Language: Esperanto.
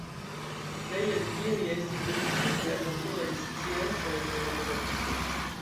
Plej el tiuj estis dediĉitaj al naturaj sciencoj kaj matematiko.